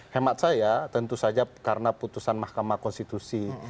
hemat saya tentu saja karena putusan mahkamah konstitusi